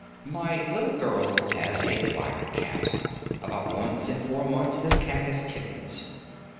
My little girl has a black cat; about once in four months this cat has kittens.